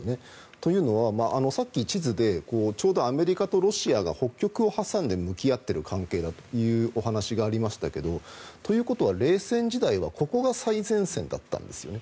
というのは、さっき地図でちょうどアメリカとロシアが北極を挟んで向き合っている関係だというお話がありましたがということは冷戦時代はここが最前線だったんですよね。